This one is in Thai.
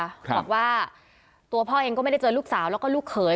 บอกว่าตัวพ่อเองก็ไม่ได้เจอลูกสาวแล้วก็ลูกเขย